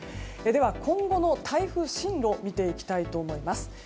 では今後の台風進路を見ていきたいと思います。